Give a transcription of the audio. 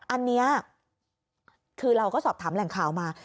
อันนี้คือเราก็สอบถามแหล่งข่าวมา